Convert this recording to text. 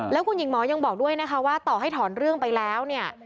แล้วคุณหญิงหมอยังบอกด้วยนะคะว่าต่อให้ถอนเรื่องไปแล้วเนี่ย